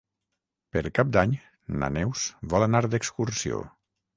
Per Cap d'Any na Neus vol anar d'excursió.